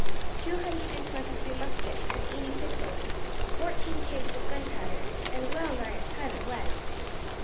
"Two hundred and twenty three muskets and eighty pistols, fourteen kegs of gunpowder, and well nigh a ton of lead."